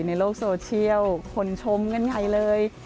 ในโลกโซเชียลคนชมกันใหญ่เลย